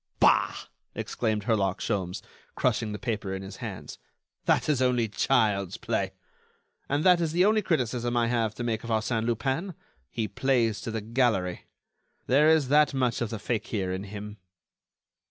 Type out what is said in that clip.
"Bah!" exclaimed Herlock Sholmes, crushing the paper in his hands, "that is only child's play! And that is the only criticism I have to make of Arsène Lupin: he plays to the gallery. There is that much of the fakir in him."